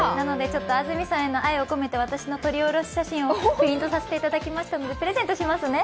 安住さんへの愛を込めて私の撮り下ろし写真をプリントさせていただきましたので、プレゼントしますね！